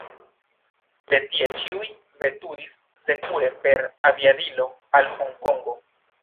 De tie ĉiuj veturis sekure per aviadilo al Honkongo.